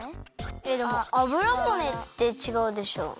えっでもあぶらぼねってちがうでしょ。